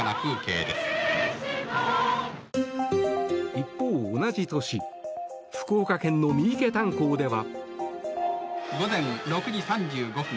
一方、同じ年福岡県の三池炭鉱では。